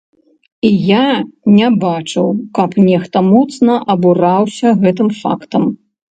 І я не бачыў, каб нехта моцна абураўся гэтым фактам!